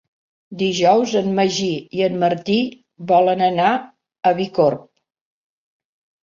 Dijous en Magí i en Martí volen anar a Bicorb.